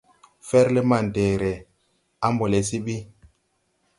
Fɛrle mandɛɛrɛ, a mbɔ le se ɓi.